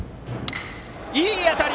いい当たり！